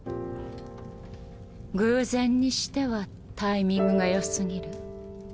偶然にしてはタイミングが良過ぎる？